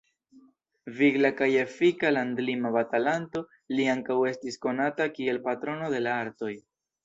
Vigla kaj efika landlima batalanto, li ankaŭ estis konata kiel patrono de la artoj.